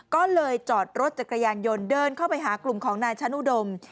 ก็เลยจอดรถจักรยานยนต์เดินเข้าไปหากลุ่มของนายชะนุดม